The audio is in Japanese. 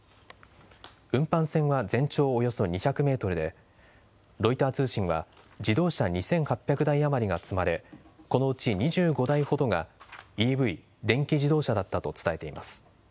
運搬船は全長およそ２００メートルでロイター通信は自動車２８００台余りが積まれこのうち２５台ほどがＥＶ、電気自動車だったと伝えています。